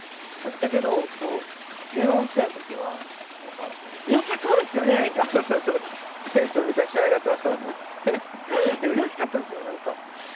だけどこう電話をしてた時は何か「やっぱそうですよねえ！」みたいな。テンションめちゃくちゃ上がってましたもんね。